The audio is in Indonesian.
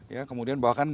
ya kemudian bahkan